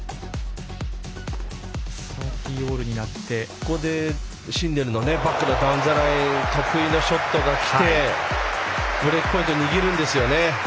ここでシンネルのバックのダウンザライン得意のショットがきてブレークポイント握るんですよね。